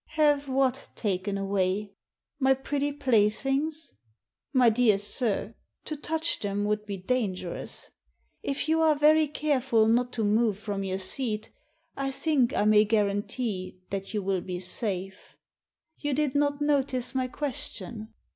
" Have what taken away ? My pretty playthings ? My dear sir, to touch them would be dangerous. If you are very careful not to move from your seat, I think I may guarantee that you will be safe. You did not notice my question.